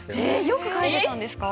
よく書いてたんですか？